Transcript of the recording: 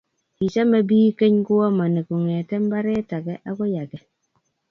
kichome biik keny kuomoni ngungete mbaree ake akoi ake